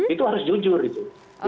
itu harus jujur itu